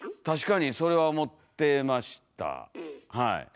確かにそれは思ってましたはい。